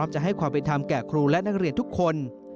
จะให้ความเป็นธรรมแก่ครูและนักเรียนทุกคน